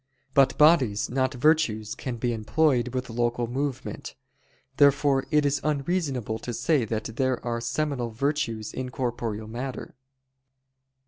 But bodies, not virtues, can be employed with local movement. Therefore it is unreasonable to say that there are seminal virtues in corporeal matter.